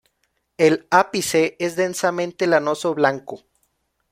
El ápice es densamente lanoso blanco.